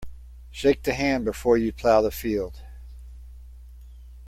Shake the hand before you plough the field.